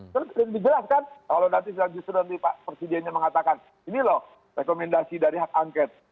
terus lebih jelas kan kalau nanti justru nanti pak presidennya mengatakan ini loh rekomendasi dari hak angket